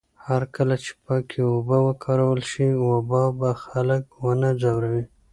هرکله چې پاکې اوبه وکارول شي، وبا به خلک ونه ځوروي.